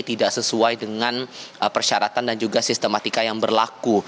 tidak sesuai dengan persyaratan dan juga sistematika yang berlaku